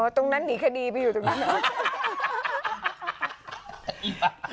ตรงนั้นหนีคดีไปอยู่ตรงนั้นเหรอ